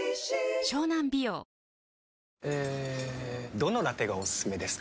どのラテがおすすめですか？